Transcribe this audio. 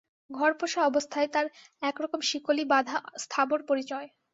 ঘর-পোষা অবস্থায় তার একরকম শিকলি-বাঁধা স্থাবর পরিচয়।